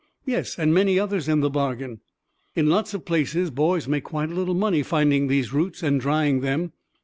"Yes, and many others in the bargain. In lots of places boys make quite a little money finding these roots, and drying them.